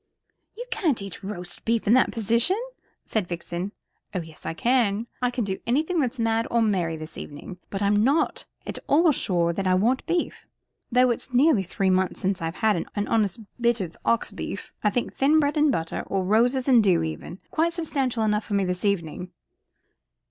"You can't eat roast beef in that position," said Vixen. "Oh yes I can I can do anything that's mad or merry this evening. But I'm not at all sure that I want beef, though it is nearly three months since I've seen an honest bit of ox beef. I think thin bread and butter or roses and dew even quite substantial enough for me this evening."